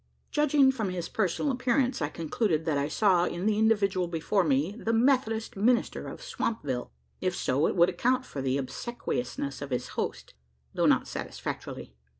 Judging from his personal appearance, I concluded that I saw in the individual before me the Methodist minister of Swampville. If so, it would account for the obsequiousness of his host, though not satisfactorily.